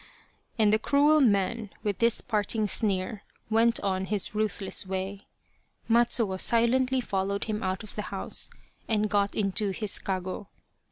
" and the cruel man, with this parting sneer, went on his ruthless way. Matsuo silently followed him out of the house and got into his kago.